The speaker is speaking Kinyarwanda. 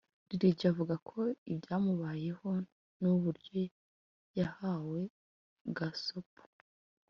Lil G avuga ko ibyamubayeho n’uburyo yahawe gasopo